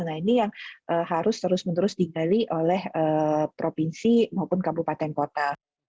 nah ini yang harus terus menerus digali oleh provinsi maupun kabupaten kota